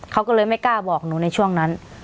เขาก็เลยไม่กล้าบอกหนูในช่วงนั้น